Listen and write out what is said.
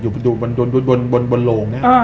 อยู่บนโลงเนี่ย